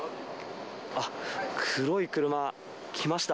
あっ、黒い車来ました。